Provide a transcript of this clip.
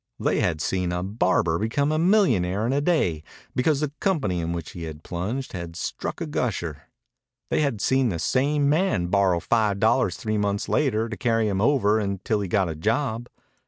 They had seen a barber become a millionaire in a day because the company in which he had plunged had struck a gusher. They had seen the same man borrow five dollars three months later to carry him over until he got a job.